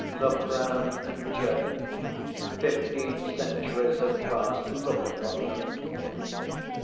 Look round and judge; fifteen centuries have passed, look upon them.